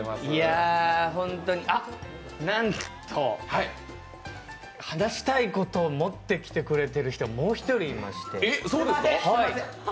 本当にあっ、なんと話したいことを持ってきてくれている方がもう１人いまして。